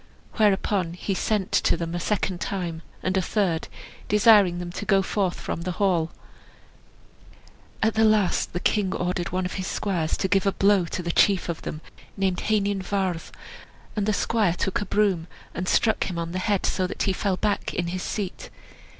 Whereupon he sent to them a second time, and a third, desiring them to go forth from the hall. At the last the king ordered one of his squires to give a blow to the chief of them, named Heinin Vardd; and the squire took a broom and struck him on the head, so that he fell back in his seat.